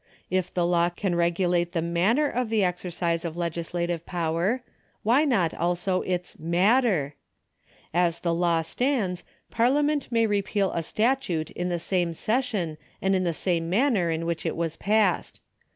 If the law can regulate the manner of the exercise of legislative power, why not also its nuitter ? As the law stands. Parliament may rejieal a statute in the same session and in the same manner in which it was passed.